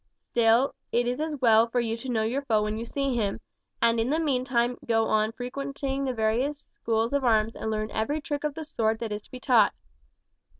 Still it is as well for you to know your foe when you see him, and in the meantime go on frequenting the various schools of arms and learn every trick of the sword that is to be taught.